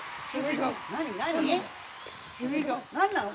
何なの？